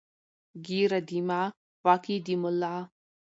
ـ ږيره دما، واک يې د ملا.